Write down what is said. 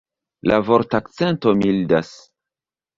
La vortakcento mildas.